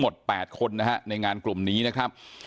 หมด๘คนนะฮะในงานกลุ่มนี้นะครับ